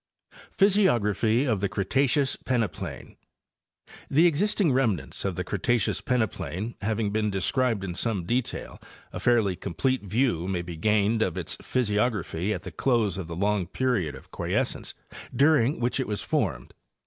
PHYSIOGRAPHY OF THE CRETACEOUS PENEPLAIN. The existing remnants of the Cretaceous peneplain having been described in some detail, a fairly complete view may be gained of its physiography at the close of the long period of quiescence during which it was formed.